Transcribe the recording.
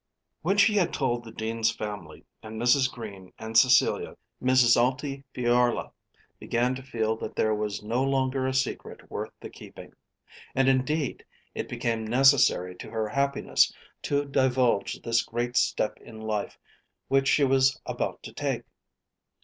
When she had told the Dean's family, and Mrs. Green, and Cecilia, Miss Altifiorla began to feel that there was no longer a secret worth the keeping. And indeed it became necessary to her happiness to divulge this great step in life which she was about to take.